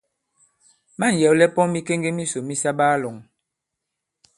Ma᷇ŋ yɛ̀wlɛ pɔn mikeŋge misò mi sa baa-lɔ̄ŋ.